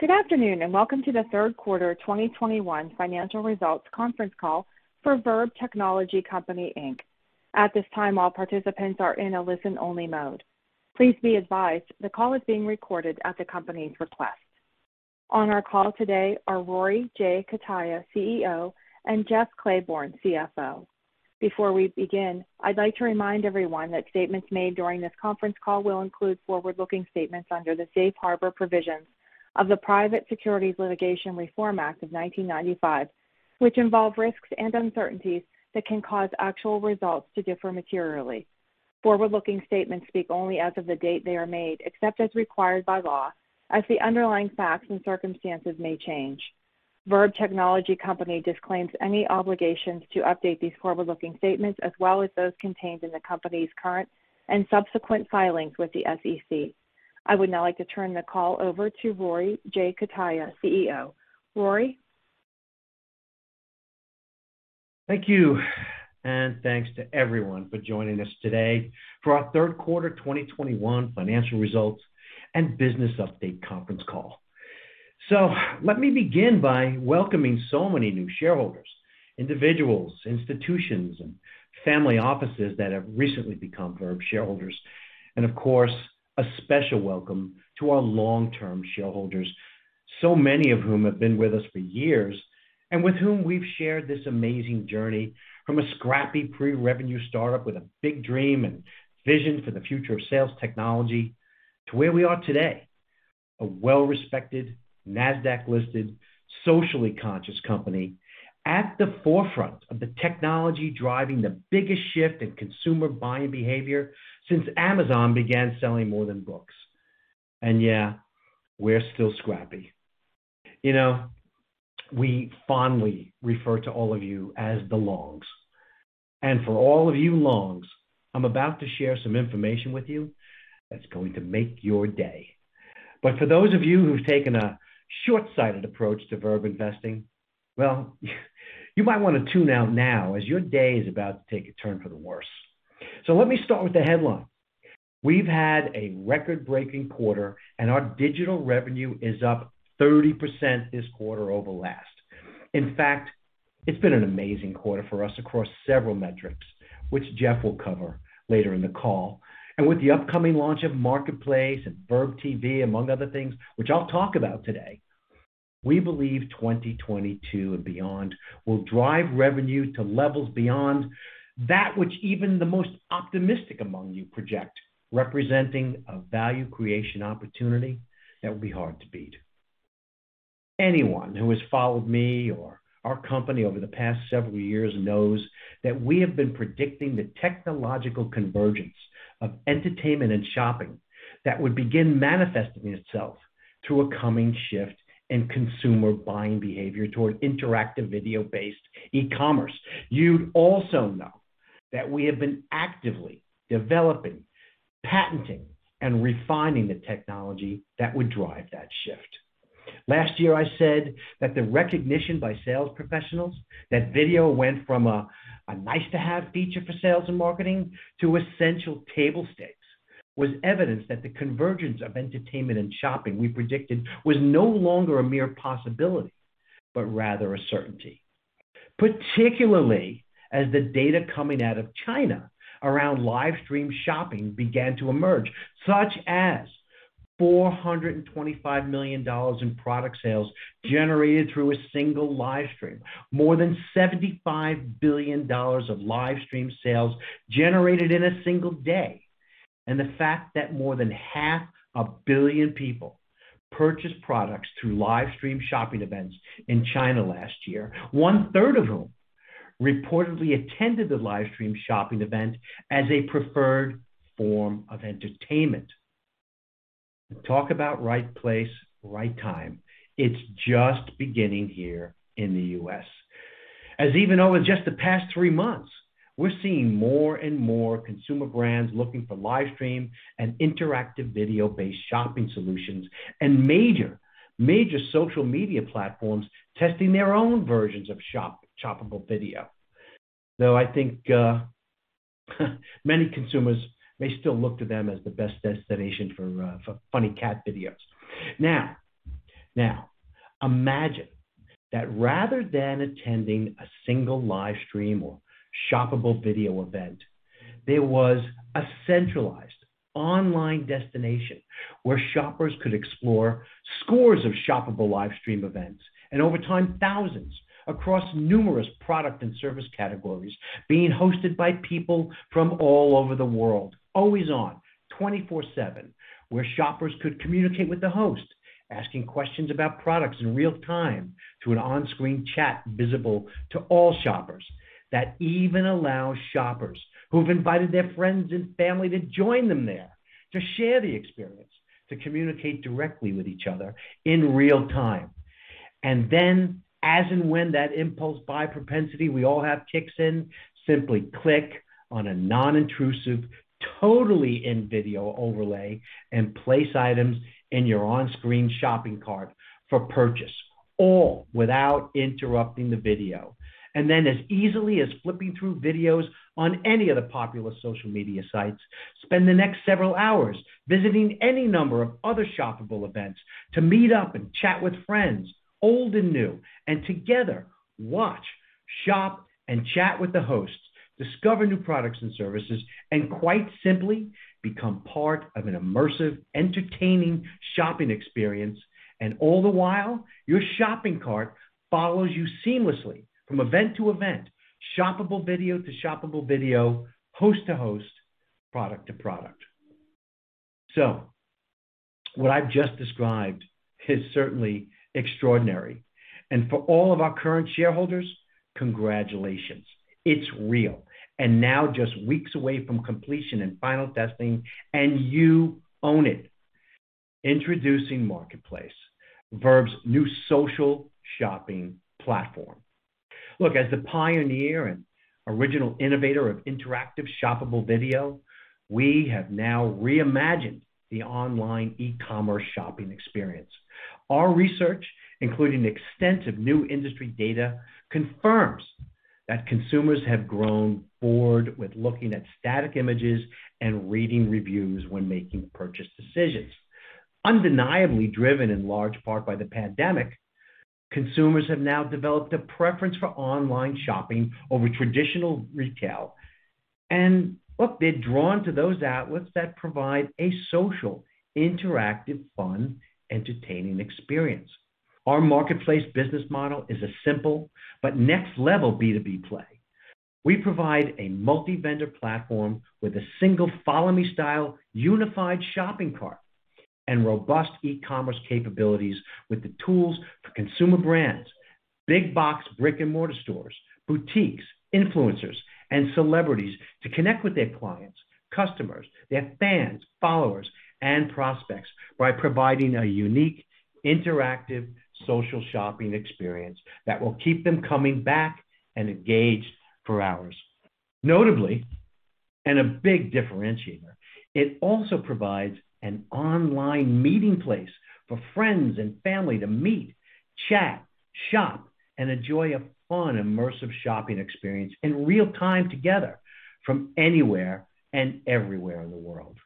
Good afternoon, and welcome to the third quarter 2021 financial results conference call for Verb Technology Company, Inc. At this time, all participants are in a listen-only mode. Please be advised the call is being recorded at the company's request. On our call today are Rory J. Cutaia, CEO, and Jeff Claiborne, CFO. Before we begin, I'd like to remind everyone that statements made during this conference call will include forward-looking statements under the Safe Harbor Provisions of the Private Securities Litigation Reform Act of 1995, which involve risks and uncertainties that can cause actual results to differ materially. Forward-looking statements speak only as of the date they are made, except as required by law, as the underlying facts and circumstances may change. Verb Technology Company disclaims any obligations to update these forward-looking statements, as well as those contained in the company's current and subsequent filings with the SEC. I would now like to turn the call over to Rory J. Cutaia, CEO. Rory. Thank you, and thanks to everyone for joining us today for our third quarter 2021 financial results and business update conference call. Let me begin by welcoming so many new shareholders, individuals, institutions, and family offices that have recently become Verb shareholders. Of course, a special welcome to our long-term shareholders, so many of whom have been with us for years and with whom we've shared this amazing journey from a scrappy pre-revenue startup with a big dream and vision for the future of sales technology to where we are today, a well-respected, Nasdaq-listed, socially conscious company at the forefront of the technology driving the biggest shift in consumer buying behavior since Amazon began selling more than books. Yeah, we're still scrappy. You know, we fondly refer to all of you as the Longs. For all of you Longs, I'm about to share some information with you that's going to make your day. For those of you who've taken a short-sighted approach to Verb investing, well, you might want to tune out now as your day is about to take a turn for the worse. Let me start with the headline. We've had a record-breaking quarter, and our digital revenue is up 30% this quarter over last. In fact, it's been an amazing quarter for us across several metrics, which Jeff will cover later in the call. With the upcoming launch of Marketplace and verbTV, among other things, which I'll talk about today, we believe 2022 and beyond will drive revenue to levels beyond that which even the most optimistic among you project, representing a value creation opportunity that will be hard to beat. Anyone who has followed me or our company over the past several years knows that we have been predicting the technological convergence of entertainment and shopping that would begin manifesting itself through a coming shift in consumer buying behavior toward interactive video-based e-commerce. You'd also know that we have been actively developing, patenting, and refining the technology that would drive that shift. Last year I said that the recognition by sales professionals that video went from a nice-to-have feature for sales and marketing to essential table stakes was evidence that the convergence of entertainment and shopping we predicted was no longer a mere possibility, but rather a certainty. Particularly as the data coming out of China around live stream shopping began to emerge, such as $425 million in product sales generated through a single live stream. More than $75 billion of live stream sales generated in a single day. The fact that more than 500 million people purchased products through live stream shopping events in China last year, 1/3 of whom reportedly attended the live stream shopping event as a preferred form of entertainment. Talk about right place, right time. It's just beginning here in the U.S. As even over just the past three months, we're seeing more and more consumer brands looking for live stream and interactive video-based shopping solutions and major social media platforms testing their own versions of shoppable video. Though I think many consumers may still look to them as the best destination for funny cat videos. Now, imagine that rather than attending a single live stream or shoppable video event, there was a centralized online destination where shoppers could explore scores of shoppable live stream events, and over time, thousands across numerous product and service categories being hosted by people from all over the world, always on, 24/7, where shoppers could communicate with the host, asking questions about products in real time through an on-screen chat visible to all shoppers that even allows shoppers who've invited their friends and family to join them there to share the experience, to communicate directly with each other in real-time. As and when that impulse buy propensity we all have kicks in, simply click on a non-intrusive, totally in-video overlay and place items in your on-screen shopping cart for purchase. All without interrupting the video. Then as easily as flipping through videos on any of the popular social media sites, spend the next several hours visiting any number of other shoppable events to meet up and chat with friends, old and new, and together watch, shop, and chat with the hosts, discover new products and services, and quite simply, become part of an immersive, entertaining shopping experience. All the while, your shopping cart follows you seamlessly from event to event, shoppable video to shoppable video, host to host, product to product. What I've just described is certainly extraordinary. For all of our current shareholders, congratulations. It's real. Now just weeks away from completion and final testing, and you own it. Introducing Marketplace, Verb's new social shopping platform. Look, as the pioneer and original innovator of interactive shoppable video, we have now reimagined the online e-commerce shopping experience. Our research, including extensive new industry data, confirms that consumers have grown bored with looking at static images and reading reviews when making purchase decisions. Undeniably driven in large part by the pandemic, consumers have now developed a preference for online shopping over traditional retail. Look, they're drawn to those outlets that provide a social, interactive, fun, entertaining experience. Our Marketplace business model is a simple but next level B2B play. We provide a multi-vendor platform with a single follow-me style unified shopping cart and robust e-commerce capabilities with the tools for consumer brands, big box brick-and-mortar stores, boutiques, influencers, and celebrities to connect with their clients, customers, their fans, followers, and prospects by providing a unique, interactive social shopping experience that will keep them coming back and engaged for hours. Notably, and a big differentiator, it also provides an online meeting place for friends and family to meet, chat, shop, and enjoy a fun, immersive shopping experience in real time together from anywhere and everywhere in the world.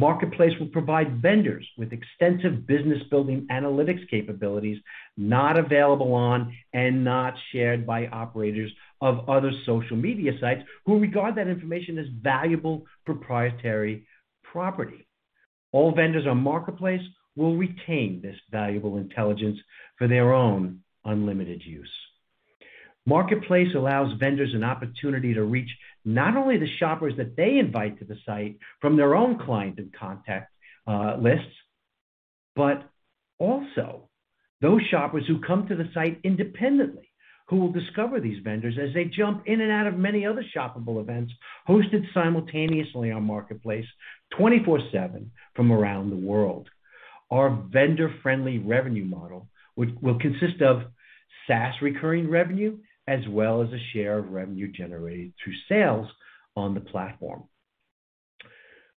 Marketplace will provide vendors with extensive business building analytics capabilities not available on and not shared by operators of other social media sites who regard that information as valuable proprietary property. All vendors on Marketplace will retain this valuable intelligence for their own unlimited use. Marketplace allows vendors an opportunity to reach not only the shoppers that they invite to the site from their own client and contact lists, but also those shoppers who come to the site independently, who will discover these vendors as they jump in and out of many other shoppable events hosted simultaneously on Marketplace 24/7 from around the world. Our vendor-friendly revenue model will consist of SaaS recurring revenue as well as a share of revenue generated through sales on the platform.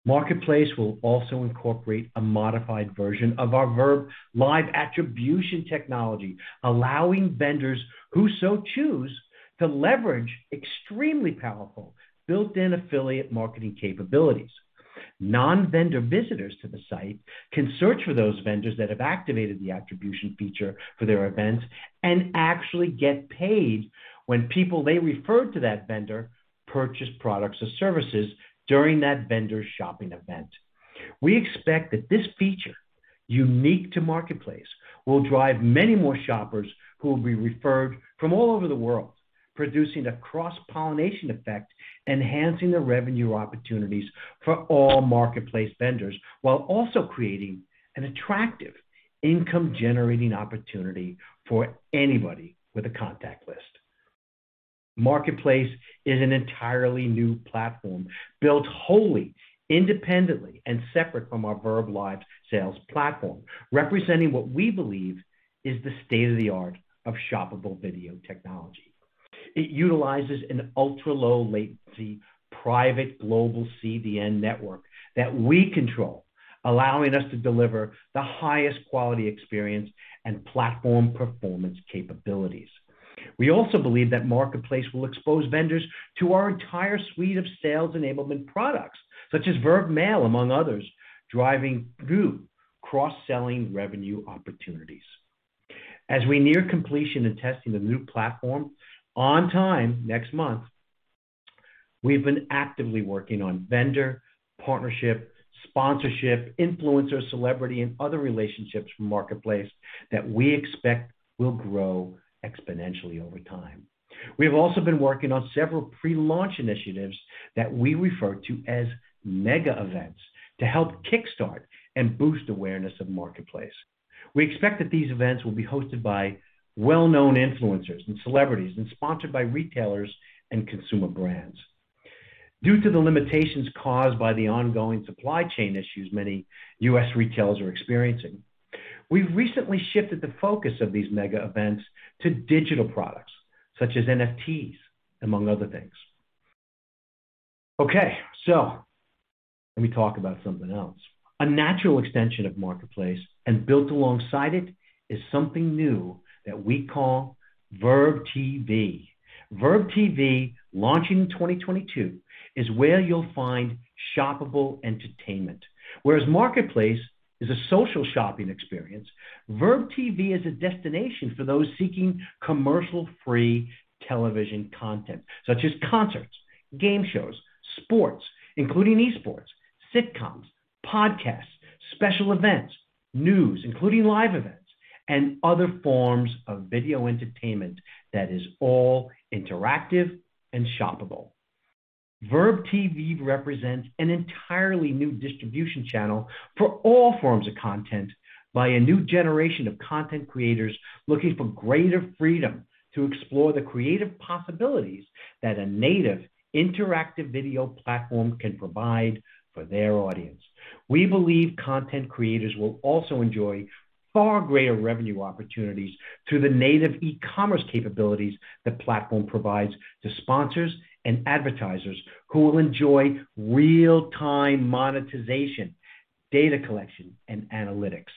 Marketplace will also incorporate a modified version of our verbLIVE attribution technology, allowing vendors who so choose to leverage extremely powerful built-in affiliate marketing capabilities. Non-vendor visitors to the site can search for those vendors that have activated the attribution feature for their events and actually get paid when people they referred to that vendor purchase products or services during that vendor's shopping event. We expect that this feature, unique to Marketplace, will drive many more shoppers who will be referred from all over the world, producing a cross-pollination effect, enhancing the revenue opportunities for all Marketplace vendors while also creating an attractive income-generating opportunity for anybody with a contact list. Marketplace is an entirely new platform built wholly independently and separate from our verbLIVE sales platform, representing what we believe is the state-of-the-art of shoppable video technology. It utilizes an ultra-low latency private global CDN network that we control, allowing us to deliver the highest quality experience and platform performance capabilities. We also believe that Marketplace will expose vendors to our entire suite of sales enablement products, such as verbMAIL, among others, driving new cross-selling revenue opportunities. As we near completion and testing the new platform on time next month, we've been actively working on vendor, partnership, sponsorship, influencer, celebrity, and other relationships from Marketplace that we expect will grow exponentially over time. We have also been working on several pre-launch initiatives that we refer to as mega events to help kickstart and boost awareness of Marketplace. We expect that these events will be hosted by well-known influencers and celebrities and sponsored by retailers and consumer brands. Due to the limitations caused by the ongoing supply chain issues many U.S. retailers are experiencing, we've recently shifted the focus of these mega events to digital products such as NFTs, among other things. Okay. Let me talk about something else. A natural extension of Marketplace and built alongside it is something new that we call verbTV. verbTV, launching in 2022, is where you'll find shoppable entertainment. Whereas Marketplace is a social shopping experience, verbTV is a destination for those seeking commercial-free television content, such as concerts, game shows, sports, including esports, sitcoms, podcasts, special events, news, including live events, and other forms of video entertainment that is all interactive and shoppable. verbTV represents an entirely new distribution channel for all forms of content by a new generation of content creators looking for greater freedom to explore the creative possibilities that a native interactive video platform can provide for their audience. We believe content creators will also enjoy far greater revenue opportunities through the native e-commerce capabilities the platform provides to sponsors and advertisers who will enjoy real-time monetization, data collection, and analytics.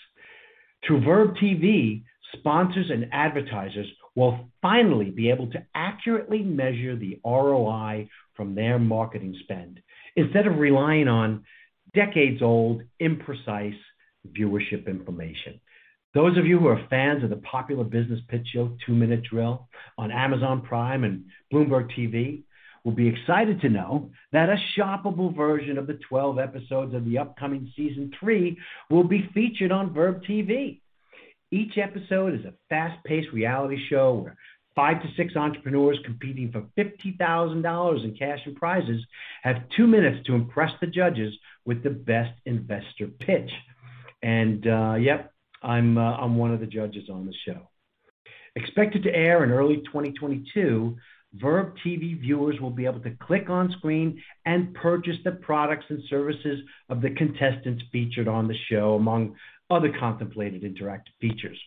Through verbTV, sponsors and advertisers will finally be able to accurately measure the ROI from their marketing spend instead of relying on decades-old, imprecise viewership information. Those of you who are fans of the popular business pitch show 2 Minute Drill on Amazon Prime and Bloomberg TV will be excited to know that a shoppable version of the 12 episodes of the upcoming season three will be featured on verbTV. Each episode is a fast-paced reality show where 5-6 entrepreneurs competing for $50,000 in cash and prizes have two minutes to impress the judges with the best investor pitch. And Yup, I'm one of the judges on the show. Expected to air in early 2022, verbTV viewers will be able to click on screen and purchase the products and services of the contestants featured on the show, among other contemplated interactive features.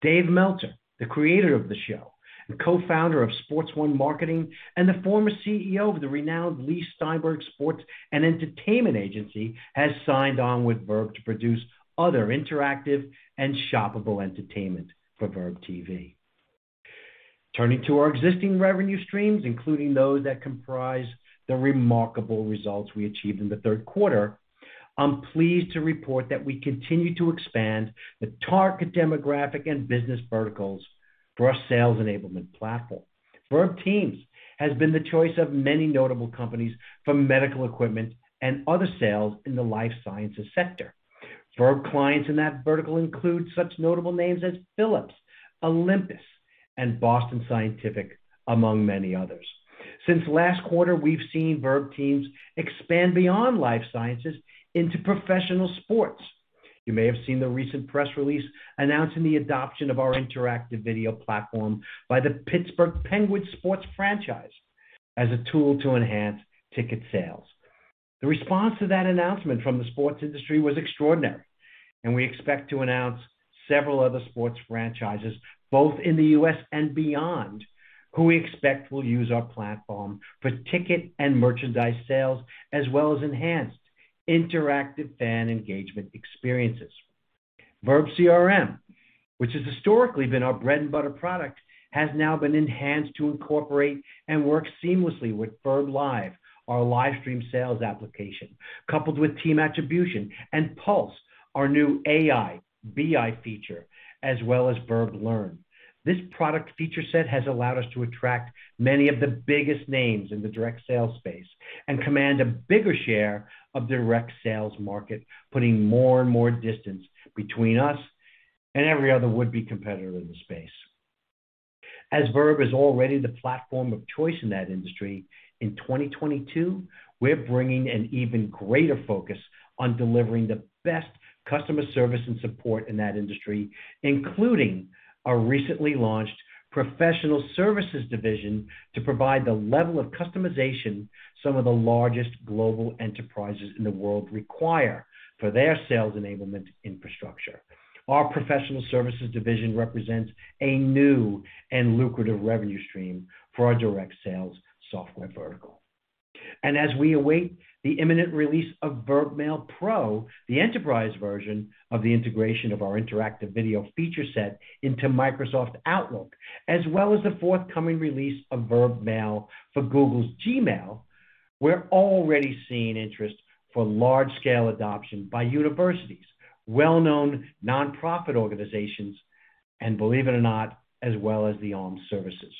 David Meltzer, the creator of the show and co-founder of Sports 1 Marketing and the former CEO of the renowned Leigh Steinberg Sports & Entertainment agency, has signed on with Verb to produce other interactive and shoppable entertainment for verbTV. Turning to our existing revenue streams, including those that comprise the remarkable results we achieved in the third quarter, I'm pleased to report that we continue to expand the target demographic and business verticals for our sales enablement platform. verbTEAMS has been the choice of many notable companies for medical equipment and other sales in the life sciences sector. verb clients in that vertical include such notable names as Philips, Olympus, and Boston Scientific, among many others. Since last quarter, we've seen verbTEAMS expand beyond life sciences into professional sports. You may have seen the recent press release announcing the adoption of our interactive video platform by the Pittsburgh Penguins sports franchise as a tool to enhance ticket sales. The response to that announcement from the sports industry was extraordinary, and we expect to announce several other sports franchises, both in the U.S. and beyond, who we expect will use our platform for ticket and merchandise sales as well as enhanced interactive fan engagement experiences. verbCRM, which has historically been our bread and butter product, has now been enhanced to incorporate and work seamlessly with verbLIVE, our live stream sales application, coupled with Team Attribution and PULSE, our new AI/BI feature, as well as verbLEARN. This product feature set has allowed us to attract many of the biggest names in the direct sales space and command a bigger share of the direct sales market, putting more and more distance between us and every other would-be competitor in the space. As Verb is already the platform of choice in that industry, in 2022, we're bringing an even greater focus on delivering the best customer service and support in that industry, including our recently launched professional services division to provide the level of customization some of the largest global enterprises in the world require for their sales enablement infrastructure. Our professional services division represents a new and lucrative revenue stream for our direct sales software vertical. As we await the imminent release of verbMAIL Pro, the enterprise version of the integration of our interactive video feature set into Microsoft Outlook, as well as the forthcoming release of verbMAIL for Google's Gmail, we're already seeing interest for large-scale adoption by universities, well-known nonprofit organizations, and believe it or not, as well as the armed services.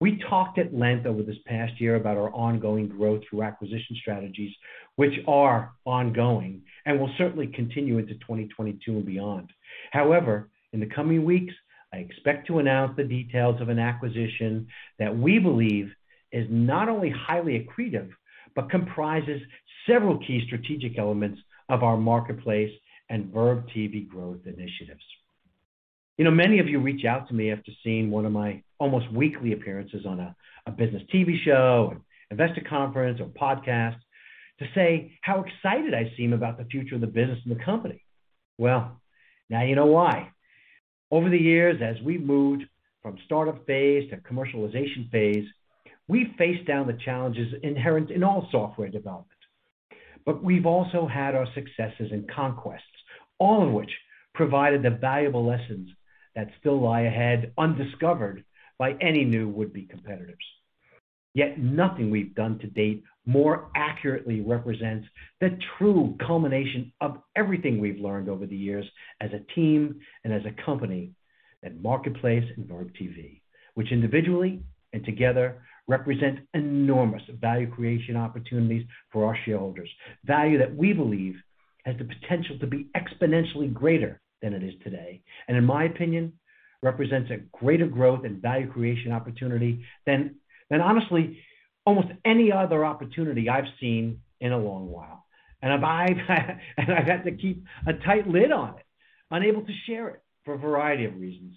We talked at length over this past year about our ongoing growth through acquisition strategies, which are ongoing and will certainly continue into 2022 and beyond. However, in the coming weeks, I expect to announce the details of an acquisition that we believe is not only highly accretive but comprises several key strategic elements of our Marketplace and verbTV growth initiatives. You know, many of you reach out to me after seeing one of my almost weekly appearances on a business TV show, an investor conference, or podcast to say how excited I seem about the future of the business and the company. Well, now you know why. Over the years, as we've moved from startup phase to commercialization phase, we faced down the challenges inherent in all software development. We've also had our successes and conquests, all of which provided the valuable lessons that still lie ahead undiscovered by any new would-be competitors. Yet nothing we've done to date more accurately represents the true culmination of everything we've learned over the years as a team and as a company than Marketplace and verbTV, which individually and together represent enormous value creation opportunities for our shareholders. Value that we believe has the potential to be exponentially greater than it is today, and in my opinion, represents a greater growth and value creation opportunity than honestly, almost any other opportunity I've seen in a long while. I've had to keep a tight lid on it, unable to share it for a variety of reasons,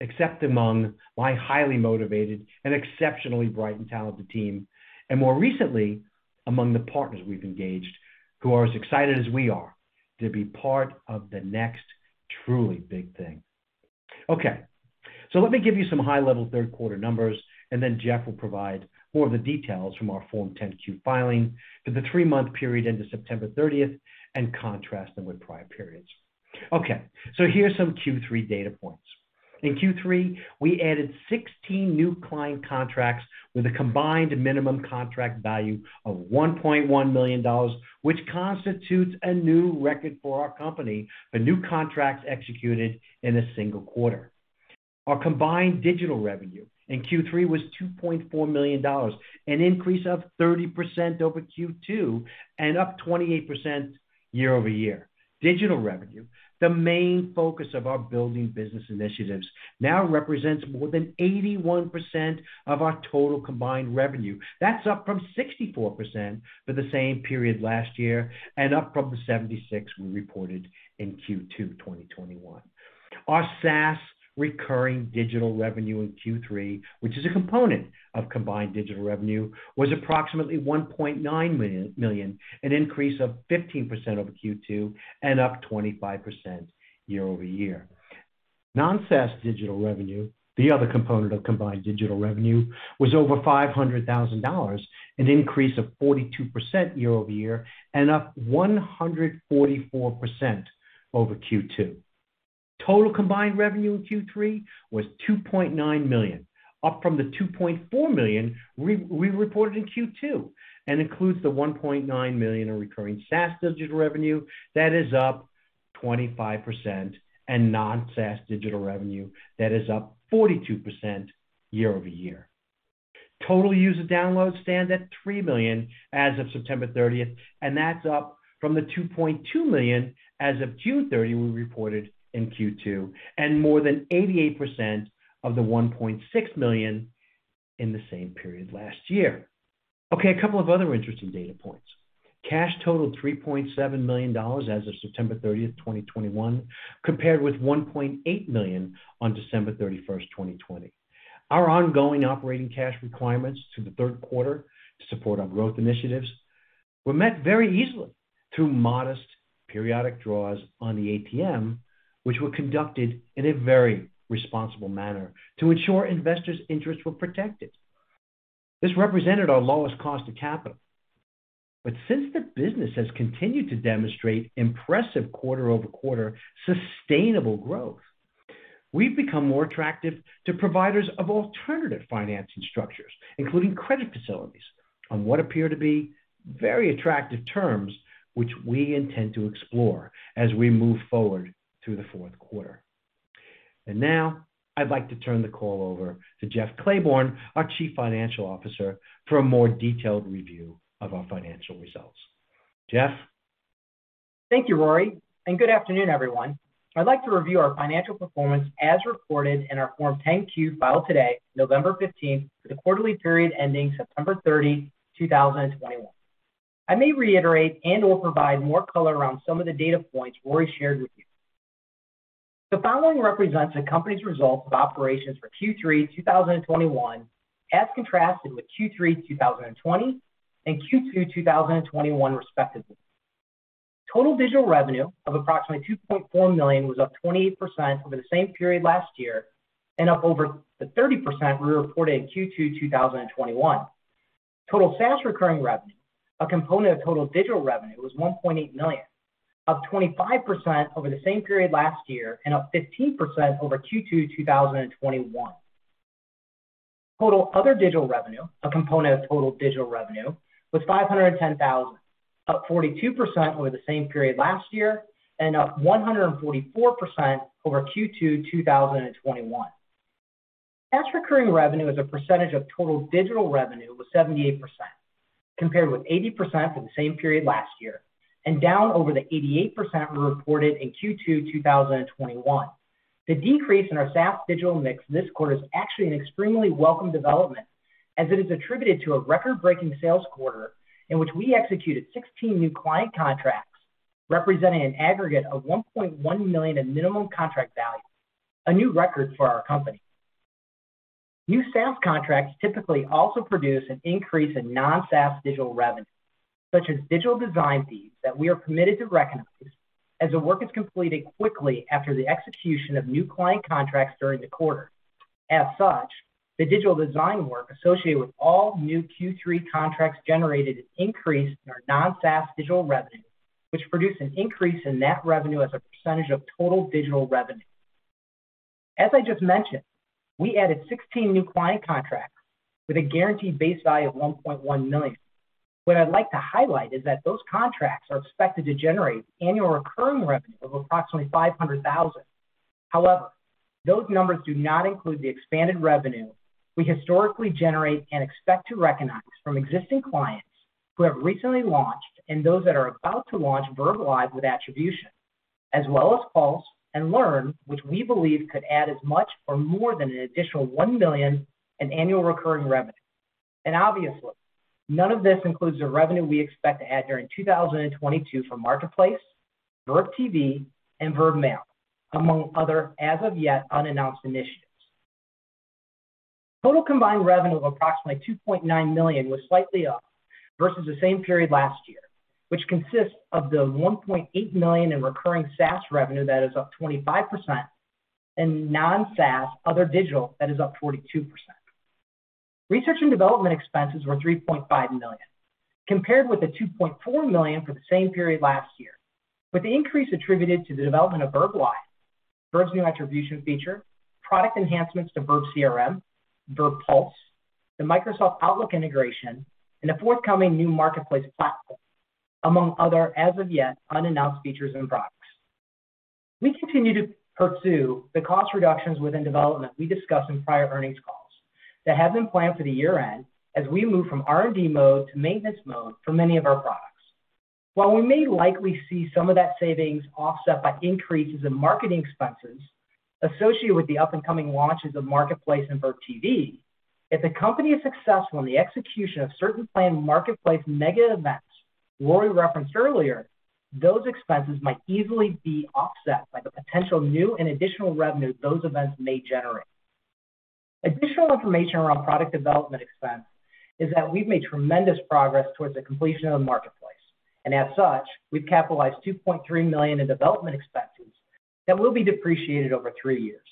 except among my highly motivated and exceptionally bright and talented team, and more recently, among the partners we've engaged who are as excited as we are to be part of the next truly big thing. Okay. Let me give you some high-level third quarter numbers, and then Jeff will provide more of the details from our Form 10-Q filing for the three-month period ended September 30, and contrast them with prior periods. Okay, here are some Q3 data points. In Q3, we added 16 new client contracts with a combined minimum contract value of $1.1 million, which constitutes a new record for our company for new contracts executed in a single quarter. Our combined digital revenue in Q3 was $2.4 million, an increase of 30% over Q2 and up 28% year-over-year. Digital revenue, the main focus of our building business initiatives, now represents more than 81% of our total combined revenue. That's up from 64% for the same period last year and up from the 76% we reported in Q2 2021. Our SaaS recurring digital revenue in Q3, which is a component of Combined Digital revenue, was approximately $1.9 million, an increase of 15% over Q2 and up 25% year-over-year. Non-SaaS digital revenue, the other component of Combined Digital revenue, was over $500,000, an increase of 42% year-over-year and up 144% over Q2. Total combined revenue in Q3 was $2.9 million, up from the $2.4 million we reported in Q2, and includes the $1.9 million in recurring SaaS digital revenue. That is up 25%, and non-SaaS digital revenue, that is up 42% year-over-year. Total user downloads stand at 3 million as of September 30th, and that's up from the 2.2 million as of June 30th we reported in Q2, and more than 88% of the 1.6 million in the same period last year. Okay, a couple of other interesting data points. Cash totaled $3.7 million as of September 30th, 2021, compared with $1.8 million on December 31st, 2020. Our ongoing operating cash requirements through the third quarter to support our growth initiatives were met very easily through modest periodic draws on the ATM, which were conducted in a very responsible manner to ensure investors' interests were protected. This represented our lowest cost of capital. Since the business has continued to demonstrate impressive quarter-over-quarter sustainable growth, we've become more attractive to providers of alternative financing structures, including credit facilities on what appear to be very attractive terms, which we intend to explore as we move forward through the fourth quarter. Now I'd like to turn the call over to Jeff Claiborne, our Chief Financial Officer, for a more detailed review of our financial results. Jeff? Thank you, Rory, and good afternoon, everyone. I'd like to review our financial performance as reported in our Form 10-Q filed today, November 15, for the quarterly period ending September 30, 2021. I may reiterate and/or provide more color around some of the data points Rory shared with you. The following represents the company's results of operations for Q3 2021 as contrasted with Q3 2020 and Q2 2021, respectively. Total Digital revenue of approximately $2.4 million was up 28% over the same period last year and up over the 30% we reported in Q2 2021. Total SaaS recurring revenue, a component of Total Digital revenue, was $1.8 million, up 25% over the same period last year and up 15% over Q2 2021. Total Other Digital revenue, a component of Total Digital revenue, was $510,000, up 42% over the same period last year and up 144% over Q2 2021. SaaS recurring revenue as a percentage of total digital revenue was 78%, compared with 80% for the same period last year and down over the 88% we reported in Q2 2021. The decrease in our SaaS digital mix this quarter is actually an extremely welcome development as it is attributed to a record-breaking sales quarter in which we executed 16 new client contracts, representing an aggregate of $1.1 million in minimum contract value, a new record for our company. New SaaS contracts typically also produce an increase in non-SaaS digital revenue, such as digital design fees that we are permitted to recognize as the work is completed quickly after the execution of new client contracts during the quarter. As such, the digital design work associated with all new Q3 contracts generated an increase in our non-SaaS digital revenue, which produced an increase in net revenue as a percentage of total digital revenue. As I just mentioned, we added 16 new client contracts with a guaranteed base value of $1.1 million. What I'd like to highlight is that those contracts are expected to generate annual recurring revenue of approximately $500,000. However, those numbers do not include the expanded revenue we historically generate and expect to recognize from existing clients who have recently launched and those that are about to launch verbLIVE with attribution, as well as PULSE and verbLEARN, which we believe could add as much or more than an additional $1 million in annual recurring revenue. Obviously, none of this includes the revenue we expect to add during 2022 from Marketplace, verbTV, and verbMAIL, among other as of yet unannounced initiatives. Total combined revenue of approximately $2.9 million was slightly up versus the same period last year, which consists of the $1.8 million in recurring SaaS revenue that is up 25% and non-SaaS other digital that is up 42%. Research and development expenses were $3.5 million, compared with the $2.4 million for the same period last year, with the increase attributed to the development of verbLIVE, Verb's new attribution feature, product enhancements to verbCRM, verbPULSE, the Microsoft Outlook integration, and a forthcoming new Marketplace platform, among other as of yet unannounced features and products. We continue to pursue the cost reductions within development we discussed in prior earnings calls that have been planned for the year-end as we move from R&D mode to maintenance mode for many of our products. While we may likely see some of that savings offset by increases in marketing expenses associated with the up-and-coming launches of Marketplace and verbTV, if the company is successful in the execution of certain planned Marketplace mega events Rory referenced earlier, those expenses might easily be offset by the potential new and additional revenue those events may generate. Additional information around product development expense is that we've made tremendous progress towards the completion of the Marketplace. As such, we've capitalized $2.3 million in development expenses that will be depreciated over three years.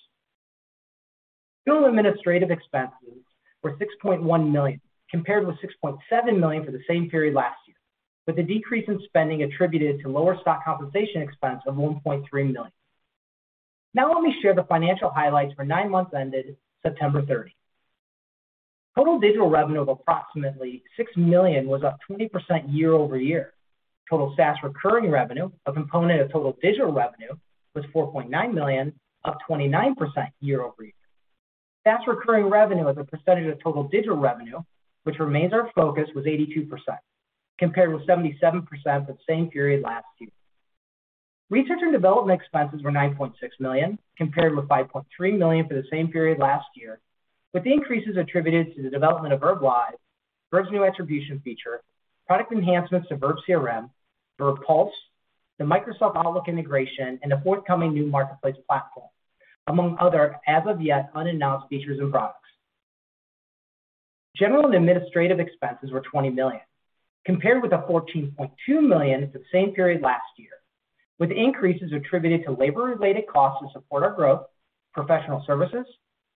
General and administrative expenses were $6.1 million, compared with $6.7 million for the same period last year, with a decrease in spending attributed to lower stock compensation expense of $1.3 million. Now let me share the financial highlights for nine months ended September 30. Total Digital revenue of approximately $6 million was up 20% year-over-year. Total SaaS recurring revenue, a component of Total Digital revenue, was $4.9 million, up 29% year-over-year. SaaS recurring revenue as a percentage of Total Digital revenue, which remains our focus, was 82%, compared with 77% for the same period last year. Research and development expenses were $9.6 million, compared with $5.3 million for the same period last year, with the increases attributed to the development of verbLIVE, Verb's new attribution feature, product enhancements to verbCRM, verbPULSE, the Microsoft Outlook integration, and a forthcoming new Marketplace platform, among other as of yet unannounced features and products. General and administrative expenses were $20 million, compared with the $14.2 million for the same period last year, with increases attributed to labor-related costs to support our growth, professional services,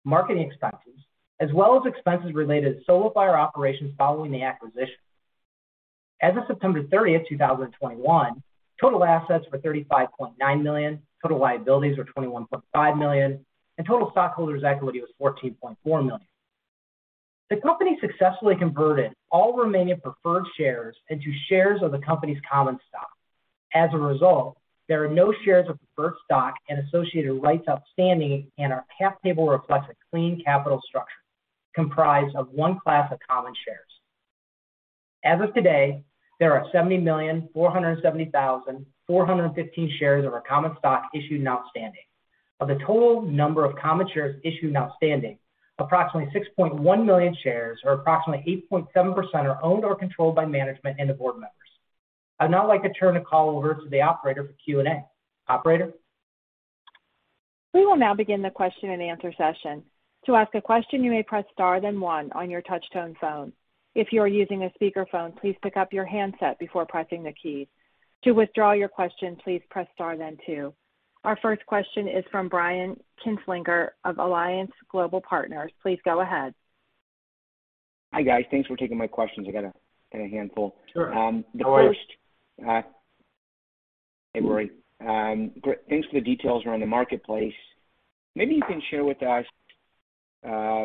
marketing expenses, as well as expenses related to SoloFire operations following the acquisition. As of September 30, 2021, total assets were $35.9 million, total liabilities were $21.5 million, and total stockholders' equity was $14.4 million. The company successfully converted all remaining preferred shares into shares of the company's common stock. As a result, there are no shares of preferred stock and associated rights outstanding, and our cap table reflects a clean capital structure comprised of one class of common shares. As of today, there are 70,470,415 shares of our common stock issued and outstanding. Of the total number of common shares issued and outstanding, approximately 6.1 million shares, or approximately 8.7%, are owned or controlled by management and the Board members. I'd now like to turn the call over to the operator for Q&A. Operator? We will now begin the question-and-answer session. To ask a question, you may press star then one on your touch-tone phone. If you are using a speakerphone, please pick up your handset before pressing the keys. To withdraw your question, please press star then two. Our first question is from Brian Kinstlinger of Alliance Global Partners. Please go ahead. Hi, guys. Thanks for taking my questions. I got a handful. Sure. No worries. Hi. Hey, Rory. Great. Thanks for the details around the Marketplace. Maybe you can share with us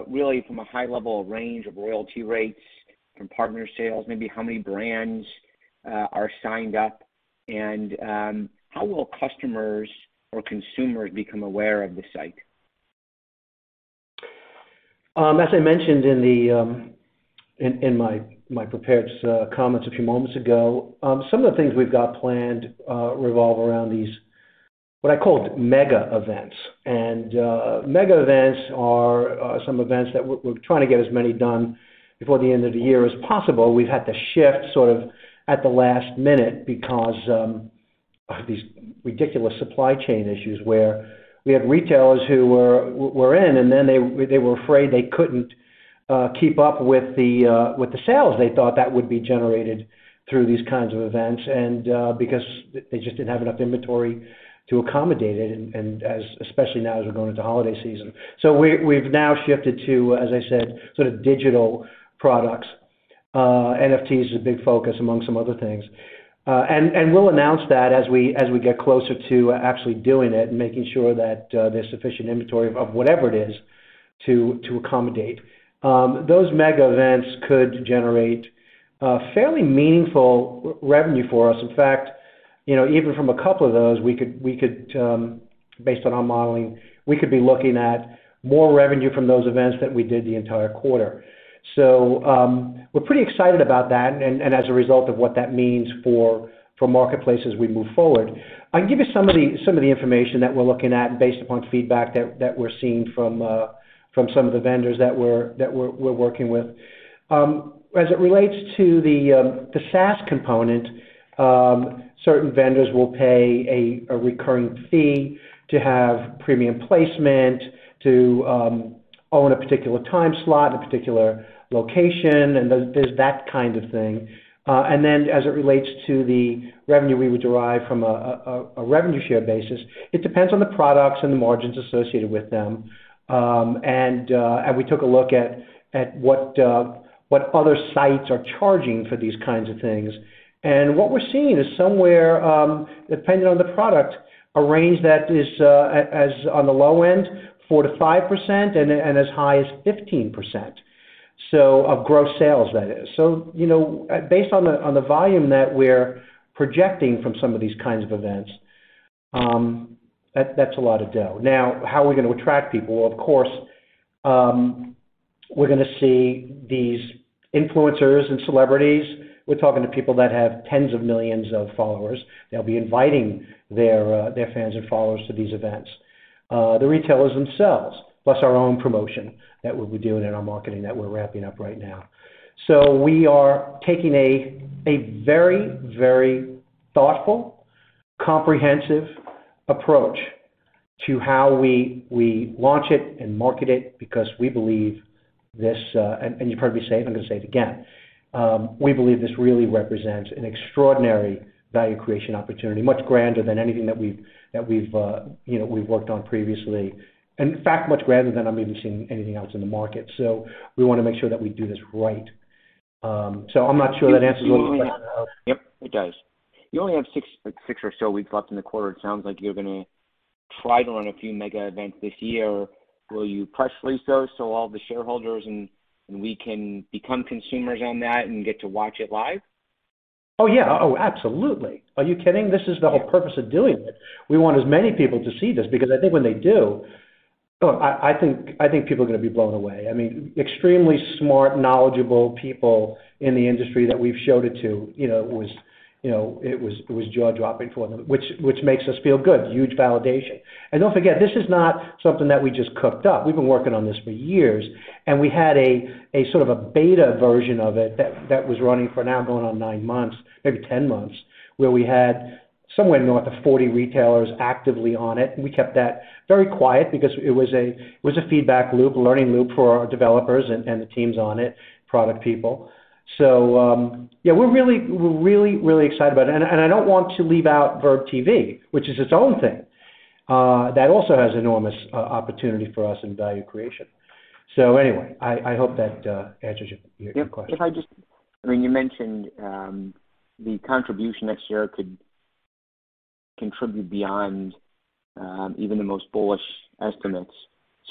really from a high level of range of royalty rates from partner sales, maybe how many brands are signed up, and how will customers or consumers become aware of the site? As I mentioned in my prepared comments a few moments ago, some of the things we've got planned revolve around these, what I called mega events. Mega events are some events that we're trying to get as many done before the end of the year as possible. We've had to shift sort of at the last minute because these ridiculous supply chain issues where we have retailers who were in, and then they were afraid they couldn't keep up with the sales they thought that would be generated through these kinds of events, and because they just didn't have enough inventory to accommodate it, especially now as we're going into holiday season. We've now shifted to, as I said, sort of digital products. NFT is a big focus among some other things. We'll announce that as we get closer to actually doing it and making sure that there's sufficient inventory of whatever it is to accommodate. Those mega events could generate fairly meaningful revenue for us. In fact, you know, even from a couple of those, we could, based on our modeling, be looking at more revenue from those events than we did the entire quarter. We're pretty excited about that and as a result of what that means for Marketplace as we move forward. I can give you some of the information that we're looking at based upon feedback that we're seeing from some of the vendors that we're working with. As it relates to the SaaS component, certain vendors will pay a recurring fee to have premium placement to own a particular time slot, a particular location, and there's that kind of thing. As it relates to the revenue we would derive from a revenue share basis, it depends on the products and the margins associated with them. We took a look at what other sites are charging for these kinds of things. What we're seeing is somewhere, depending on the product, a range that is as on the low end, 4%-5% and as high as 15% of gross sales, that is. You know, based on the volume that we're projecting from some of these kinds of events, that's a lot of dough. Now, how are we gonna attract people? Of course, we're gonna see these influencers and celebrities. We're talking to people that have tens of millions of followers. They'll be inviting their fans and followers to these events. The retailers themselves, plus our own promotion that we'll be doing in our marketing that we're wrapping up right now. We are taking a very, very thoughtful, comprehensive approach to how we launch it and market it because we believe this. You've heard me say it, I'm gonna say it again. We believe this really represents an extraordinary value creation opportunity, much grander than anything that we've worked on previously. In fact, much grander than I'm even seeing anything else in the market. We wanna make sure that we do this right. I'm not sure that answers all the questions. Yep, it does. You only have six or so weeks left in the quarter. It sounds like you're gonna try to run a few mega events this year. Will you press release those so all the shareholders and we can become consumers on that and get to watch it live? Oh, yeah. Oh, absolutely. Are you kidding? This is the whole purpose of doing it. We want as many people to see this because I think when they do. Look, I think people are gonna be blown away. I mean, extremely smart, knowledgeable people in the industry that we've showed it to, you know, it was jaw-dropping for them, which makes us feel good. Huge validation. Don't forget, this is not something that we just cooked up. We've been working on this for years, and we had a sort of a beta version of it that was running for now going on nine months, maybe 10 months, where we had somewhere north of 40 retailers actively on it. We kept that very quiet because it was a feedback loop, a learning loop for our developers and the teams on it, product people. Yeah, we're really excited about it. I don't want to leave out verbTV, which is its own thing, that also has enormous opportunity for us in value creation. Anyway, I hope that answers your question. I mean, you mentioned the contribution next year could contribute beyond even the most bullish estimates.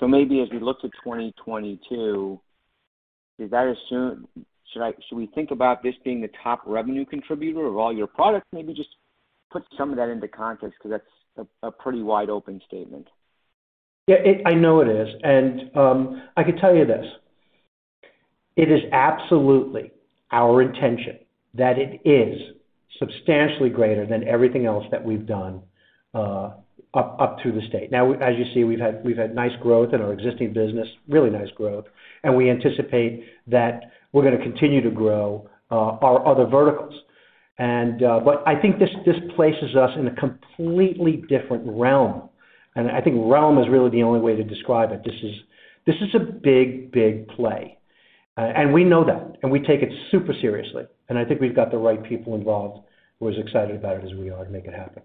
Maybe as we look to 2022, should we think about this being the top revenue contributor of all your products? Maybe just put some of that into context because that's a pretty wide-open statement. Yeah, I know it is. I could tell you this. It is absolutely our intention that it is substantially greater than everything else that we've done up to this date. Now, as you see, we've had nice growth in our existing business, really nice growth. We anticipate that we're gonna continue to grow our other verticals. But I think this places us in a completely different realm. I think realm is really the only way to describe it. This is a big play, and we know that, and we take it super seriously. I think we've got the right people involved who are as excited about it as we are to make it happen.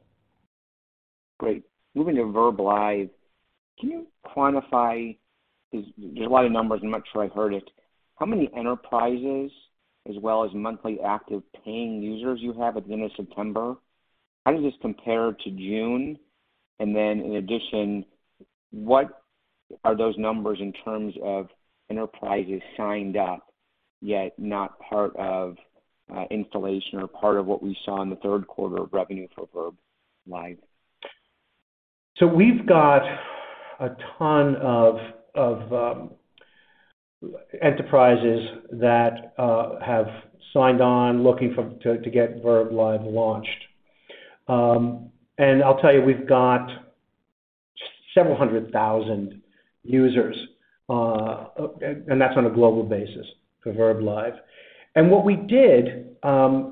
Great. Moving to verbLIVE, can you quantify. There's a lot of numbers. I'm not sure I heard it. How many enterprises as well as monthly active paying users you have at the end of September? How does this compare to June? And then in addition, what are those numbers in terms of enterprises signed up, yet not part of, installation or part of what we saw in the third quarter of revenue for verbLIVE? We've got a ton of enterprises that have signed on looking to get verbLIVE launched. I'll tell you, we've got several hundred thousand users, and that's on a global basis for verbLIVE. What we did,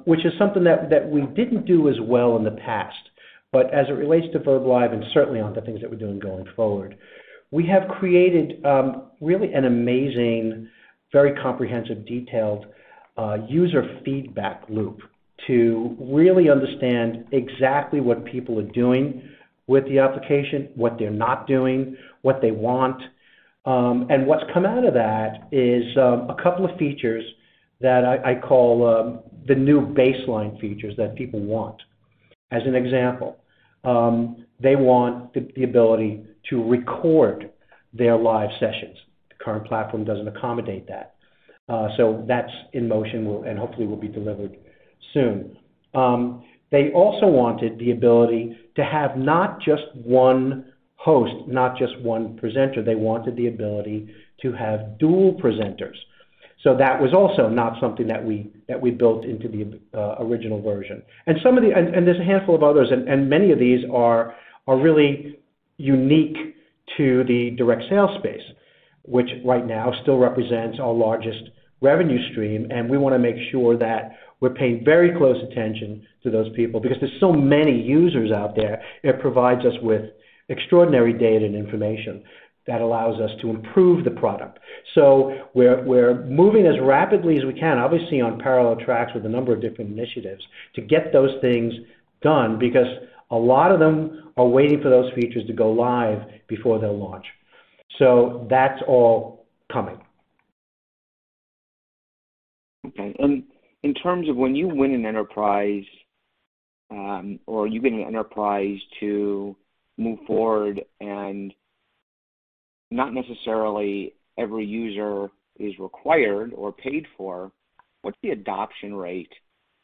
which is something that we didn't do as well in the past, but as it relates to verbLIVE and certainly on the things that we're doing going forward, we have created really an amazing, very comprehensive, detailed user feedback loop to really understand exactly what people are doing with the application, what they're not doing, what they want. What's come out of that is a couple of features that I call the new baseline features that people want. As an example, they want the ability to record their live sessions. The current platform doesn't accommodate that. That's in motion and hopefully will be delivered soon. They also wanted the ability to have not just one host, not just one presenter. They wanted the ability to have dual presenters. That was also not something that we built into the original version. There's a handful of others, and many of these are really unique to the direct sale space, which right now still represents our largest revenue stream, and we wanna make sure that we're paying very close attention to those people because there's so many users out there, it provides us with extraordinary data and information that allows us to improve the product. We're moving as rapidly as we can, obviously on parallel tracks with a number of different initiatives to get those things done because a lot of them are waiting for those features to go live before they'll launch. That's all coming. Okay. In terms of when you win an enterprise, or you get an enterprise to move forward, and not necessarily every user is required or paid for, what's the adoption rate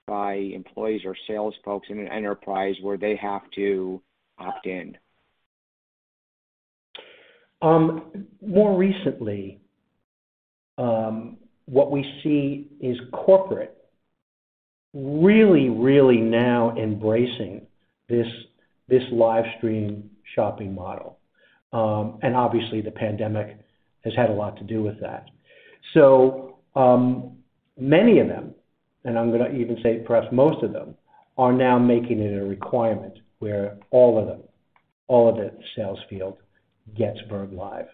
by employees or sales folks in an enterprise where they have to opt in? More recently, what we see is corporate really, really now embracing this live stream shopping model. Obviously the pandemic has had a lot to do with that. Many of them, and I'm gonna even say perhaps most of them, are now making it a requirement where all of them, all of the sales field gets verbLIVE.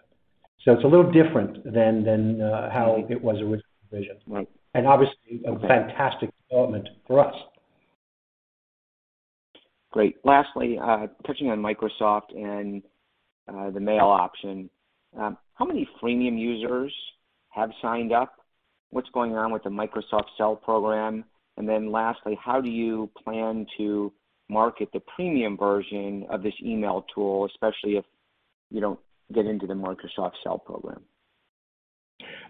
It's a little different than how it was originally envisioned. Right. Obviously. Okay. A fantastic development for us. Great. Lastly, touching on Microsoft and the mail option. How many freemium users have signed up? What's going on with the Microsoft Seller program? Then lastly, how do you plan to market the premium version of this email tool, especially if you don't get into the Microsoft Seller program?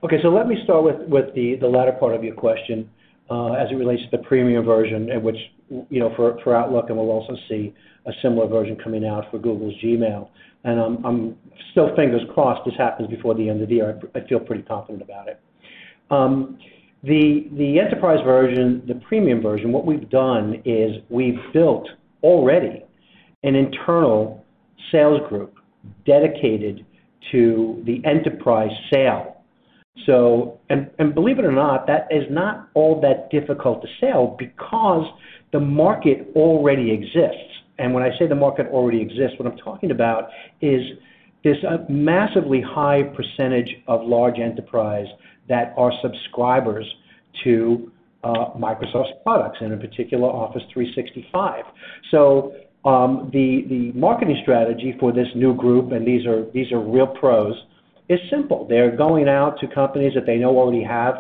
Okay. Let me start with the latter part of your question as it relates to the premium version and which, you know, for Outlook, and we'll also see a similar version coming out for Google's Gmail. I'm still fingers crossed this happens before the end of the year. I feel pretty confident about it. The enterprise version, the premium version, what we've done is we've built already an internal sales group dedicated to the enterprise sale. Believe it or not, that is not all that difficult to sell because the market already exists. When I say the market already exists, what I'm talking about is this massively high percentage of large enterprise that are subscribers to Microsoft's products, and in particular, Office 365. The marketing strategy for this new group, and these are real pros, is simple. They're going out to companies that they know already have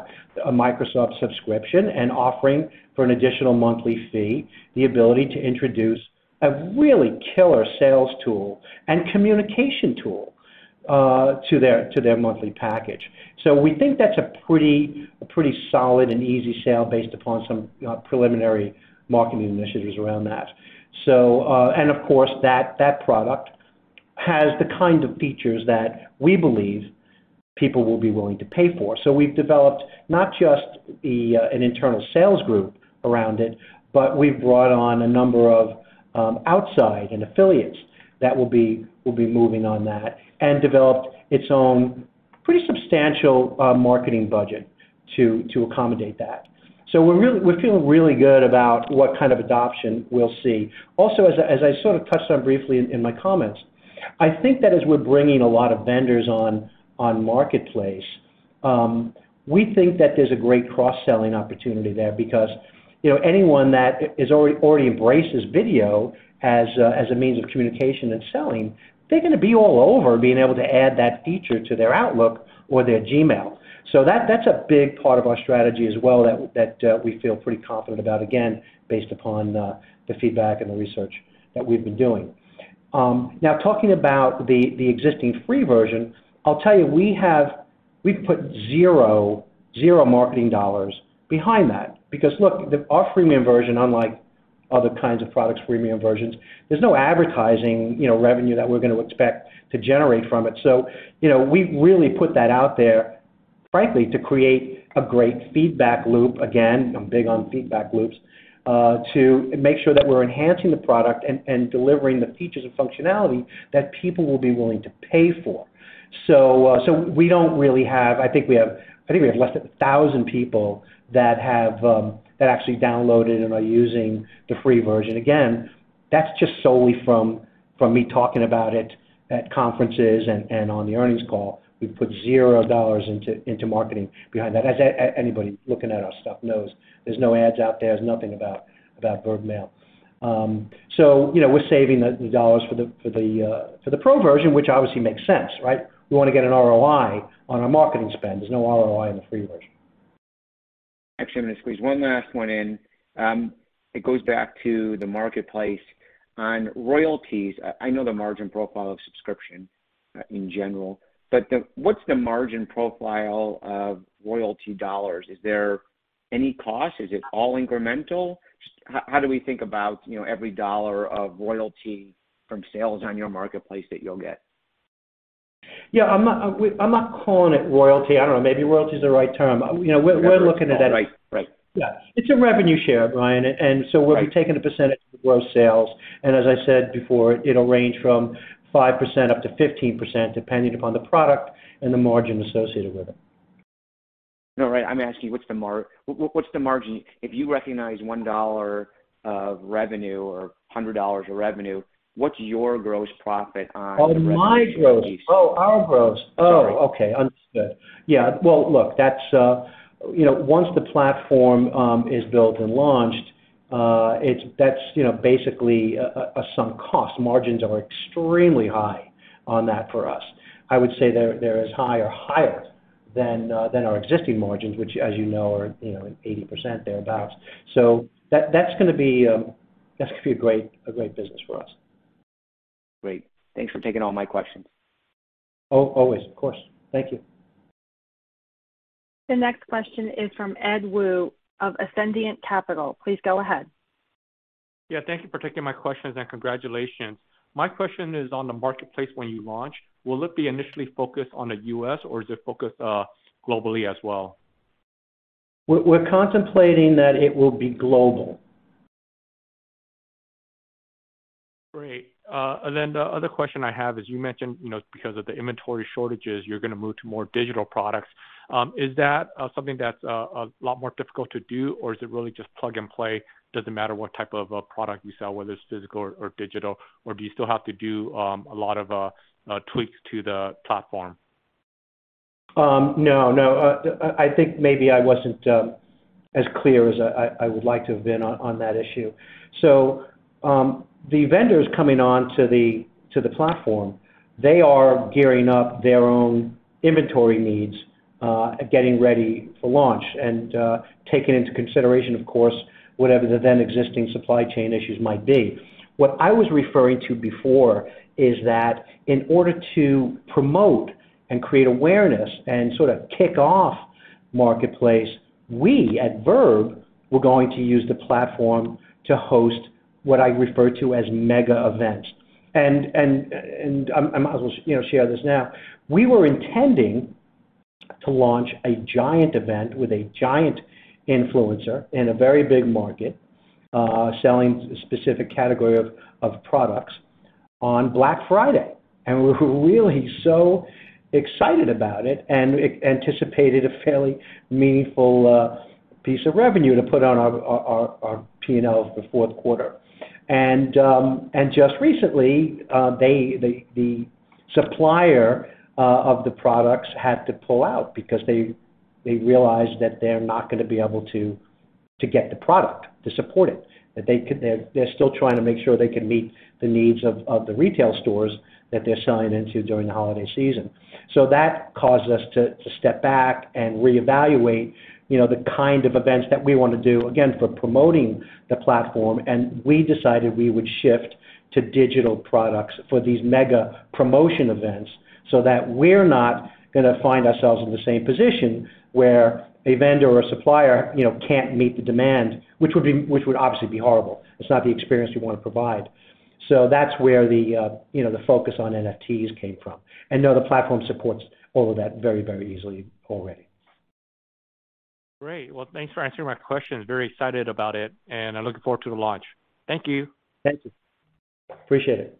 a Microsoft subscription and offering for an additional monthly fee, the ability to introduce a really killer sales tool and communication tool to their monthly package. We think that's a pretty solid and easy sale based upon some preliminary marketing initiatives around that. Of course, that product has the kind of features that we believe people will be willing to pay for. We've developed not just an internal sales group around it, but we've brought on a number of outside affiliates that will be moving on that and developed its own pretty substantial marketing budget to accommodate that. We're feeling really good about what kind of adoption we'll see. Also, as I sort of touched on briefly in my comments, I think that as we're bringing a lot of vendors on Marketplace, we think that there's a great cross-selling opportunity there because, you know, anyone that is already embraces video as a means of communication and selling, they're gonna be all over being able to add that feature to their Outlook or their Gmail. That's a big part of our strategy as well that we feel pretty confident about, again, based upon the feedback and the research that we've been doing. Now talking about the existing free version, I'll tell you, we've put zero marketing dollars behind that because look, our freemium version, unlike other kinds of products' freemium versions, there's no advertising, you know, revenue that we're gonna expect to generate from it. So, you know, we've really put that out there. Frankly, to create a great feedback loop, again, I'm big on feedback loops, to make sure that we're enhancing the product and delivering the features and functionality that people will be willing to pay for. So, so we don't really have. I think we have less than 1,000 people that have actually downloaded and are using the free version. Again, that's just solely from me talking about it at conferences and on the earnings call. We've put zero dollars into marketing behind that. As anybody looking at our stuff knows there's no ads out there's nothing about verbMAIL. So, you know, we're saving the dollars for the verbMAIL Pro version, which obviously makes sense, right? We wanna get an ROI on our marketing spend. There's no ROI in the free version. Actually, I'm gonna squeeze one last one in. It goes back to the marketplace. On royalties, I know the margin profile of subscription in general, but what's the margin profile of royalty dollars? Is there any cost? Is it all incremental? Just how do we think about, you know, every dollar of royalty from sales on your marketplace that you'll get? Yeah. I'm not calling it royalty. I don't know, maybe royalty is the right term. You know, we're looking at that. Right. Right. Yeah. It's a revenue share, Brian. Right. We're taking a percentage of the gross sales, and as I said before, it'll range from 5%-15%, depending upon the product and the margin associated with it. No, right. I'm asking you, what's the margin? If you recognize $1 of revenue or $100 of revenue, what's your gross profit on the revenue royalties? Oh, my gross. Oh, our gross. Sorry. Oh, okay. Understood. Yeah. Well, look, that's you know, once the platform is built and launched, that's you know, basically a sunk cost. Margins are extremely high on that for us. I would say they're as high or higher than our existing margins, which as you know are you know, 80% thereabout. That's gonna be a great business for us. Great. Thanks for taking all my questions. Always. Of course. Thank you. The next question is from Ed Woo of Ascendiant Capital Markets. Please go ahead. Yeah. Thank you for taking my questions, and congratulations. My question is on the marketplace when you launch, will it be initially focused on the U.S. or is it focused, globally as well? We're contemplating that it will be global. Great. The other question I have is, you mentioned, you know, because of the inventory shortages, you're gonna move to more digital products. Is that something that's a lot more difficult to do or is it really just plug and play? Doesn't matter what type of a product you sell, whether it's physical or digital, or do you still have to do a lot of tweaks to the platform? No. I think maybe I wasn't as clear as I would like to have been on that issue. The vendors coming on to the platform, they are gearing up their own inventory needs, getting ready for launch and taking into consideration of course, whatever the then existing supply chain issues might be. What I was referring to before is that in order to promote and create awareness and sort of kick off marketplace, we at Verb were going to use the platform to host what I refer to as mega events. I might as well, you know, share this now. We were intending to launch a giant event with a giant influencer in a very big market, selling specific category of products on Black Friday. We're really so excited about it and anticipated a fairly meaningful piece of revenue to put on our P&L for fourth quarter. Just recently, the supplier of the products had to pull out because they realized that they're not gonna be able to get the product to support it. They're still trying to make sure they can meet the needs of the retail stores that they're selling into during the holiday season. That caused us to step back and reevaluate, you know, the kind of events that we wanna do again for promoting the platform, and we decided we would shift to digital products for these mega promotion events, so that we're not gonna find ourselves in the same position where a vendor or supplier, you know, can't meet the demand, which would obviously be horrible. It's not the experience we wanna provide. That's where the, you know, the focus on NFTs came from. Now the platform supports all of that very, very easily already. Great. Well, thanks for answering my questions. Very excited about it, and I'm looking forward to the launch. Thank you. Thank you. Appreciate it.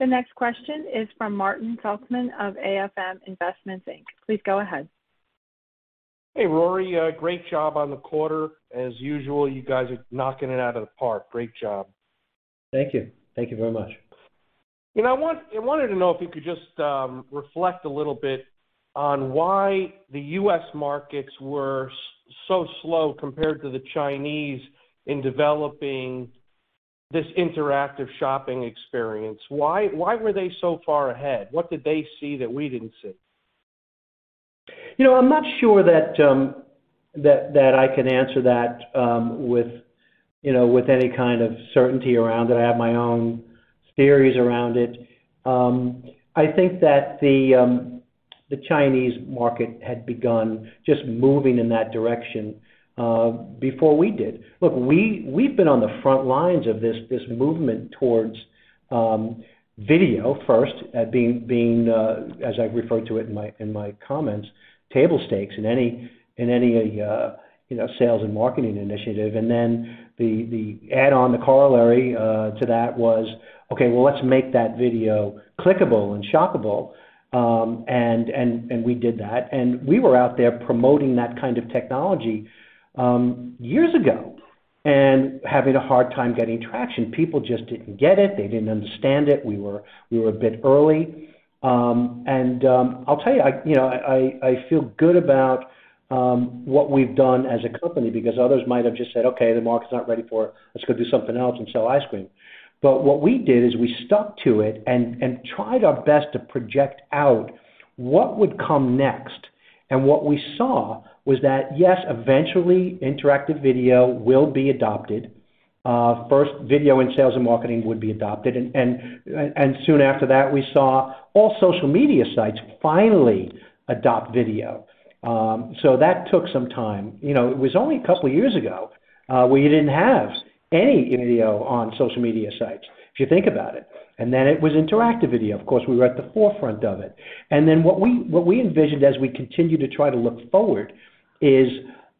The next question is from Martin Saltzman of AFM Investments, Inc. Please go ahead. Hey, Rory. Great job on the quarter. As usual, you guys are knocking it out of the park. Great job. Thank you. Thank you very much. You know, I wanted to know if you could just reflect a little bit on why the U.S. markets were so slow compared to the Chinese in developing this interactive shopping experience. Why were they so far ahead? What did they see that we didn't see? You know, I'm not sure that I can answer that with you know, with any kind of certainty around it. I have my own theories around it. I think that the Chinese market had begun just moving in that direction before we did. Look, we've been on the front lines of this movement towards video first at being as I referred to it in my comments, table stakes in any you know, sales and marketing initiative. Then the add-on, the corollary to that was, okay, well, let's make that video clickable and shoppable. And we did that, and we were out there promoting that kind of technology years ago and having a hard time getting traction. People just didn't get it. They didn't understand it. We were a bit early. I'll tell you know, I feel good about what we've done as a company because others might have just said, "Okay, the market's not ready for it. Let's go do something else and sell ice cream." What we did is we stuck to it and tried our best to project out what would come next. What we saw was that, yes, eventually interactive video will be adopted. First video in sales and marketing would be adopted. Soon after that, we saw all social media sites finally adopt video. That took some time. You know, it was only a couple of years ago, we didn't have any video on social media sites, if you think about it. It was interactive video, of course, we were at the forefront of it. What we envisioned as we continued to try to look forward is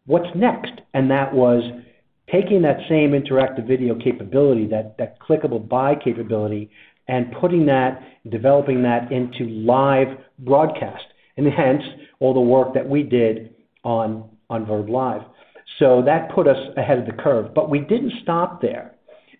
what's next. That was taking that same interactive video capability, that clickable buy capability, and putting that, developing that into live broadcast. Hence, all the work that we did on verbLIVE. That put us ahead of the curve, but we didn't stop there.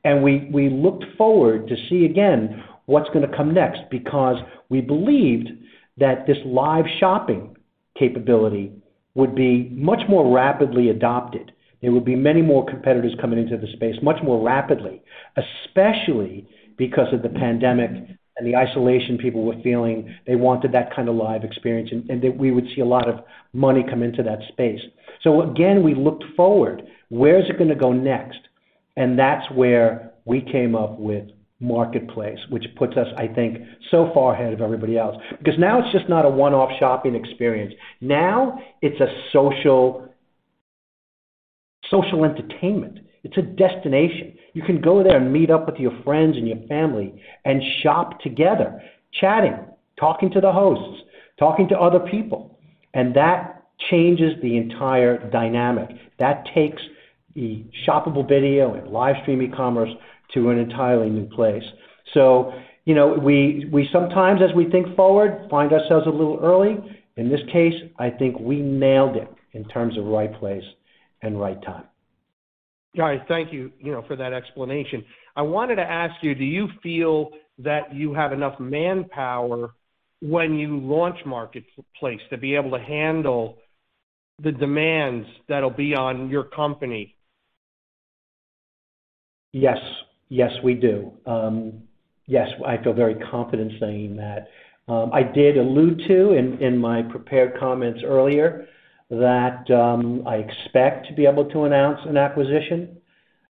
We looked forward to see again what's gonna come next because we believed that this live shopping capability would be much more rapidly adopted. There would be many more competitors coming into the space much more rapidly, especially because of the pandemic and the isolation people were feeling. They wanted that kind of live experience, and that we would see a lot of money come into that space. Again, we looked forward. Where is it gonna go next? That's where we came up with Marketplace, which puts us, I think, so far ahead of everybody else, because now it's just not a one-off shopping experience. Now it's a social entertainment. It's a destination. You can go there and meet up with your friends and your family and shop together, chatting, talking to the hosts, talking to other people. That changes the entire dynamic. That takes the shoppable video and live stream e-commerce to an entirely new place. You know, we sometimes, as we think forward, find ourselves a little early. In this case, I think we nailed it in terms of right place and right time. All right. Thank you know, for that explanation. I wanted to ask you, do you feel that you have enough manpower when you launch Marketplace to be able to handle the demands that'll be on your company? Yes. Yes, we do. Yes, I feel very confident saying that. I did allude to in my prepared comments earlier that I expect to be able to announce an acquisition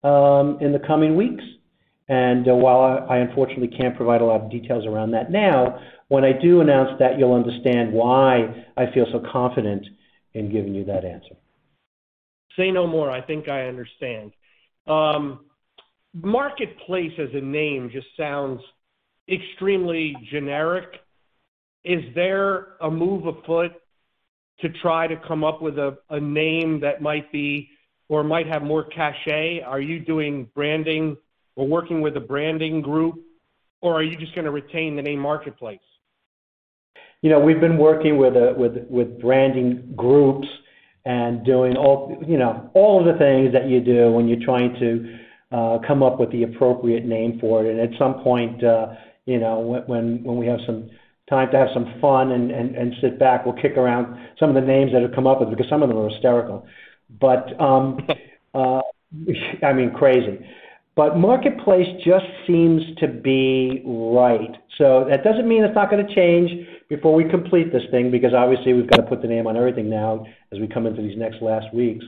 in the coming weeks. While I unfortunately can't provide a lot of details around that now, when I do announce that, you'll understand why I feel so confident in giving you that answer. Say no more. I think I understand. Marketplace as a name just sounds extremely generic. Is there a move afoot to try to come up with a name that might be or might have more cachet? Are you doing branding or working with a branding group, or are you just gonna retain the name Marketplace? You know, we've been working with branding groups and doing all, you know, of the things that you do when you're trying to come up with the appropriate name for it. At some point, you know, when we have some time to have some fun and sit back, we'll kick around some of the names that have come up with because some of them are hysterical. I mean, crazy. Marketplace just seems to be right. That doesn't mean it's not gonna change before we complete this thing, because obviously we've got to put the name on everything now as we come into these next last weeks.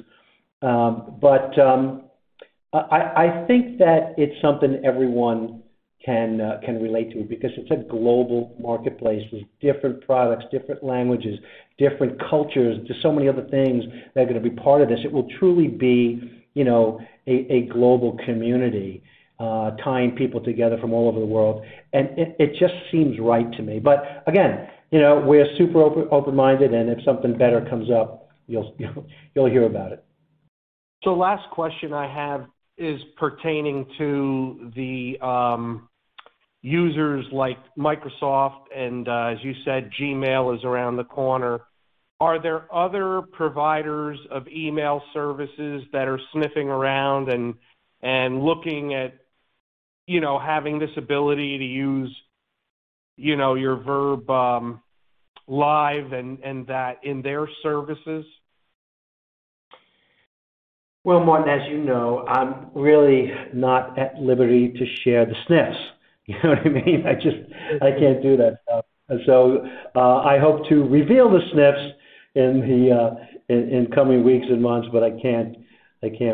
I think that it's something everyone can relate to because it's a global marketplace with different products, different languages, different cultures, just so many other things that are gonna be part of this. It will truly be, you know, a global community tying people together from all over the world. It just seems right to me. Again, you know, we're super open-minded, and if something better comes up, you'll hear about it. Last question I have is pertaining to the users like Microsoft and as you said, Gmail is around the corner. Are there other providers of email services that are sniffing around and looking at, you know, having this ability to use, you know, your verbLIVE and that in their services? Well, Martin, as you know, I'm really not at liberty to share the snips. You know what I mean? I just can't do that. I hope to reveal the snips in the coming weeks and months, but I can't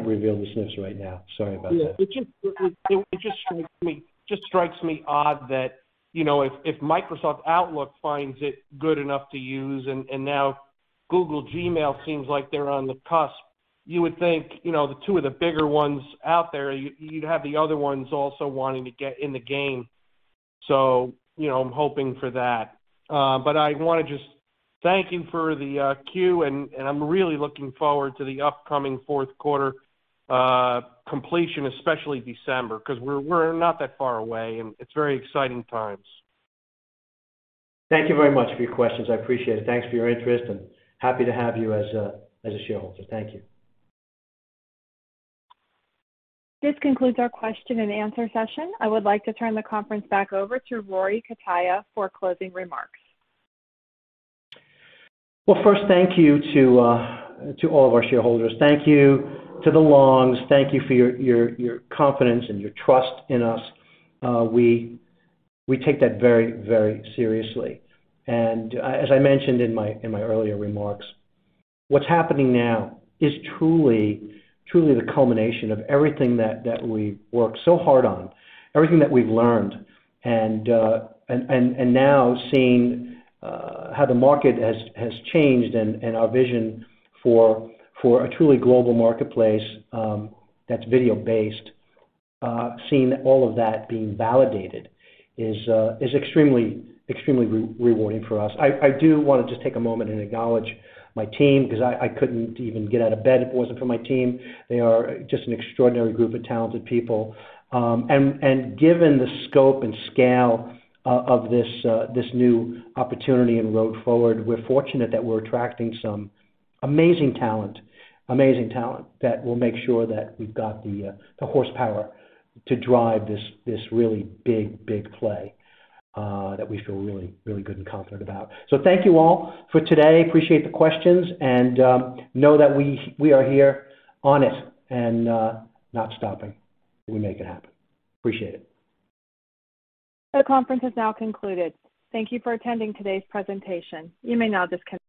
reveal the snips right now. Sorry about that. Yeah. It just strikes me odd that, you know, if Microsoft Outlook finds it good enough to use and now Google Gmail seems like they're on the cusp, you would think, you know, the two of the bigger ones out there, you'd have the other ones also wanting to get in the game. You know, I'm hoping for that. I wanna just thank you for the Q, and I'm really looking forward to the upcoming fourth quarter completion, especially December, 'cause we're not that far away, and it's very exciting times. Thank you very much for your questions. I appreciate it. Thanks for your interest, and happy to have you as a shareholder. Thank you. This concludes our question and answer session. I would like to turn the conference back over to Rory Cutaia for closing remarks. First, thank you to all of our shareholders. Thank you to the Longs. Thank you for your confidence and your trust in us. We take that very seriously. As I mentioned in my earlier remarks, what's happening now is truly the culmination of everything that we've worked so hard on, everything that we've learned. Now seeing how the market has changed and our vision for a truly global marketplace that's video-based, seeing all of that being validated is extremely rewarding for us. I do wanna just take a moment and acknowledge my team 'cause I couldn't even get out of bed if it wasn't for my team. They are just an extraordinary group of talented people. Given the scope and scale of this new opportunity and road forward, we're fortunate that we're attracting some amazing talent that will make sure that we've got the horsepower to drive this really big play that we feel really good and confident about. Thank you all for today. Appreciate the questions, and know that we are here on it and not stopping till we make it happen. Appreciate it. The conference has now concluded. Thank you for attending today's presentation. You may now disconnect.